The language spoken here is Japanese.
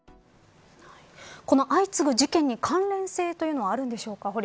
この相次ぐ事件に関連性というのはあるんでしょうか。